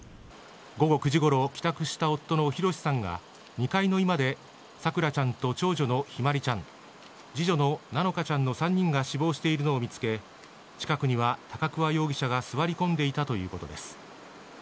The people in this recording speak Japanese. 午後９時ごろ帰宅した夫の浩史さんが２階の居間で咲桜ちゃんと長女の姫茉梨ちゃん次女の菜乃華ちゃんの３人が死亡しているのを見つけ近くには高桑容疑者が座り込んでいたということです。